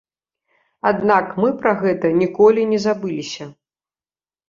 Аднак, мы пра гэта ніколі не забыліся.